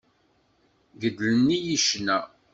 Gedlen-iyi ccna.